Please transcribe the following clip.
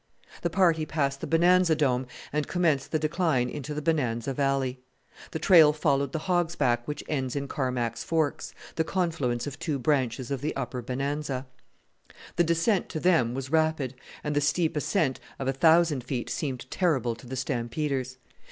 The party passed the Bonanza Dome and commenced the decline into the Bonanza Valley. The trail followed the hog's back which ends in Carmacks Forks, the confluence of two branches of the Upper Bonanza. The descent to them was rapid, and the steep ascent of a thousand feet seemed terrible to the stampeders.